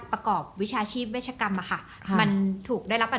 มีทางไม่ปิดหรอกแต่พอปิดเสร็จก็เอาเช็นน้ำตากูหน่อยละกัน